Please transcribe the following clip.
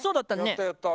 やったやった。